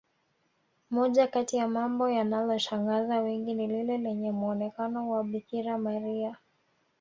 moja Kati ya mambo yanaloshangaza wengi ni lile lenye muonekano wa bikira maria